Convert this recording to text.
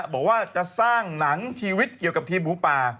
บอกว่าจะสร้างหนังชีวิตเกี่ยวกับทีมหมูป่า